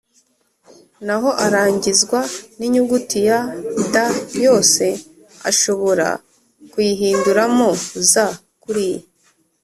naho arangizwa n’inyuguti ya “da” yose ashobora kuyihinduramo “za” kuriya.